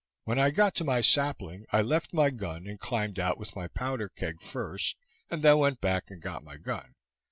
When I got to my sapling, I left my gun and climbed out with my powder keg first, and then went back and got my gun.